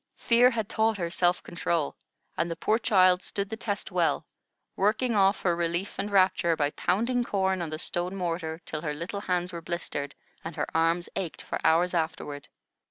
Fear had taught her self control, and the poor child stood the test well, working off her relief and rapture by pounding corn on the stone mortar till her little hands were blistered, and her arms ached for hours afterward.